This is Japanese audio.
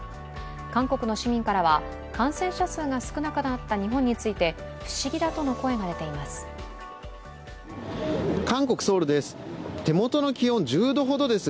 韓国の市民からは、感染者数が少なくなった日本について不思議だとの声が出ています。